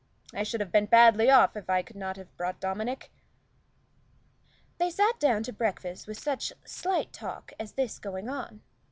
I should have been badly off if I could not have brought Dominic." They sat down to breakfast with such slight talk as this going on.